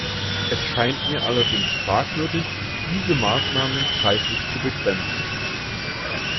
Es scheint mir allerdings fragwürdig, diese Maßnahme zeitlich zu begrenzen.